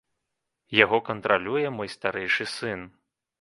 Яго кантралюе мой старэйшы сын.